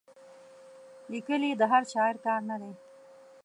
لیکل یې د هر شاعر کار نه دی.